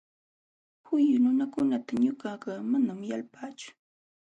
Huyu nunakunata ñuqaqa manam yalpaachu.